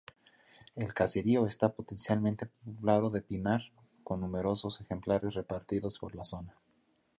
El caserío está potencialmente poblado de pinar, con numerosos ejemplares repartidos por la zona.